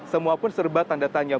semua pun serba tanda tanya